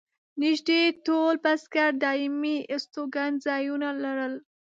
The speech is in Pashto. نږدې ټول بزګر دایمي استوګن ځایونه لرل.